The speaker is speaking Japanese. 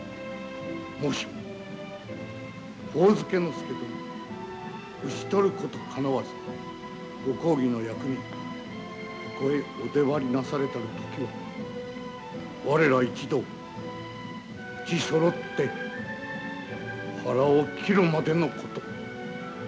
もしも上野介殿召し捕ることかなわずご公儀の役人ここへお出張りなされたる時は我ら一同うちそろって腹を切るまでのこと。